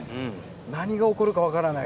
何が起こるか分からない。